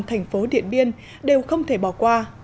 thành phố điện biên đều không thể bỏ qua